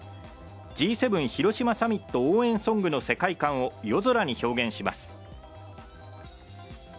Ｇ７広島サミット応援ソングの世界観を夜空に表現します。